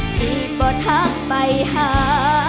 สิก็ทักไปหา